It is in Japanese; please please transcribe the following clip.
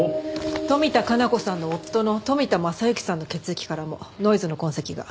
富田加奈子さんの夫の富田正之さんの血液からもノイズの痕跡が。